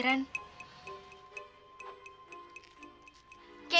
maksud kamu apaan sih ren